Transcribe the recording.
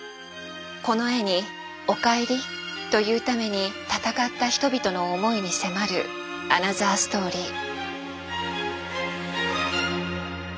この絵に「おかえり」と言うために闘った人々の思いに迫るアナザーストーリー。